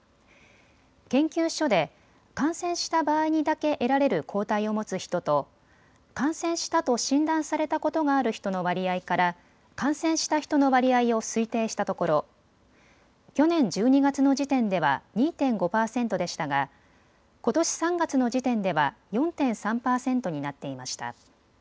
研究所で感染した場合にだけ得られる抗体を持つ人と感染したと診断されたことがある人の割合から感染した人の割合を推定したところ去年１２月の時点では２．５％でしたがことし３月の時点では４．３％になっていました。